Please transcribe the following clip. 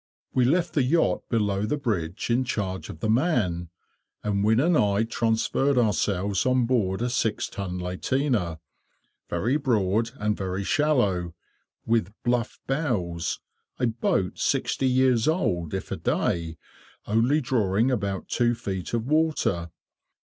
We left the yacht below the bridge in charge of the man, and Wynne and I transferred ourselves on board a six ton lateener, very broad and very shallow, with bluff bows; a boat sixty years old, if a day, only drawing about two feet of water.